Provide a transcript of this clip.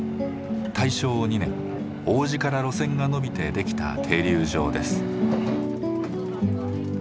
大正２年王子から路線が延びてできた停留場です。